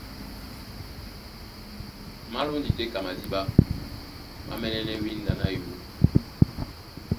Má lóndi tɛ́ ka madíɓá, má mɛ̌nɛ́nɛ́ wínda ná yǔ.